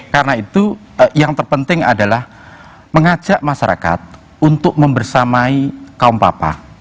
karena itu yang terpenting adalah mengajak masyarakat untuk membersamai kaum papa